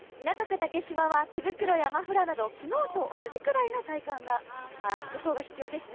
竹芝は手袋やマフラーなど昨日と同じぐらいの服装が必要ですね。